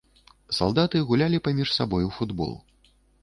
Салдаты гулялі паміж сабой у футбол.